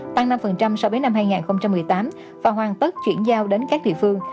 tăng năm so với năm hai nghìn một mươi tám và hoàn tất chuyển giao đến các địa phương